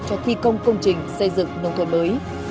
cho thi công công trình xây dựng nông thôn mới